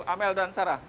amel dan sarah